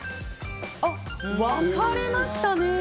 分かれましたね。